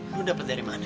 lo dapet dari mana